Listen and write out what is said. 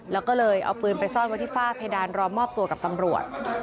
แล้วก็เลยเอาปืนไปซ่อนไว้ที่ฝ้าเพดานรอมอบตัวกับตำรวจ